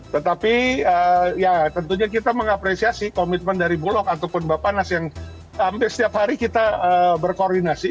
tetapi ya tentunya kita mengapresiasi komitmen dari bulog ataupun bapak nas yang hampir setiap hari kita berkoordinasi